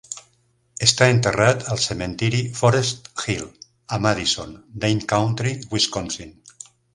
Està enterrat al cementiri Forest Hill, a Madison, Dane Country, Wisconsin.